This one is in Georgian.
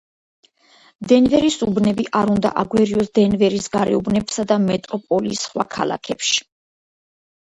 დენვერის უბნები არ უნდა აგვერიოს დენვერის გარეუბნებსა და მეტროპოლიის სხვა ქალაქებში.